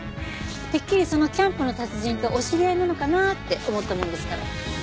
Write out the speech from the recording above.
てっきりそのキャンプの達人とお知り合いなのかなって思ったものですから。